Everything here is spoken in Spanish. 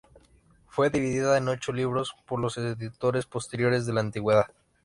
Fue dividida en ocho libros por los editores posteriores de la Antigüedad.